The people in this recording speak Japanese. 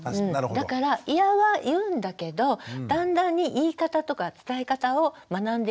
だからイヤは言うんだけどだんだんに言い方とか伝え方を学んでいくところじゃないですか。